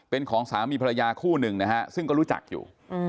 เป็นของสามีภรรยาคู่หนึ่งนะฮะซึ่งก็รู้จักอยู่